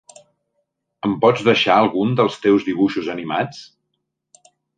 Em pots deixar alguns dels teus dibuixos animats?